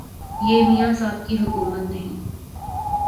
یہ میاں صاحب کی حکومت نہیں